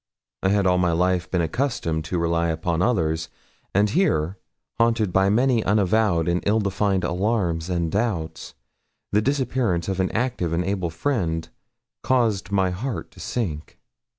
I had all my life been accustomed to rely upon others, and here, haunted by many unavowed and ill defined alarms and doubts, the disappearance of an active and able friend caused my heart to sink.